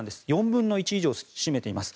４分の１以上を占めています。